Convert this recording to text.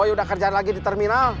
oh udah kerjaan lagi di terminal